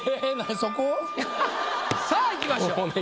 そこ？さあいきましょう。